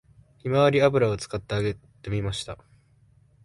ひまわり油を使って揚げてみました